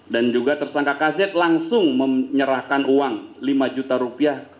dan juga tersangka kz langsung menyerahkan uang lima juta rupiah